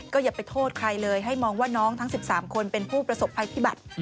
อย่าไปโทษใครเลยให้มองว่าน้องทั้ง๑๓คนเป็นผู้ประสบภัยพิบัติ